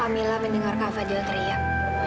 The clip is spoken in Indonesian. emila mendengar kak fadil teriak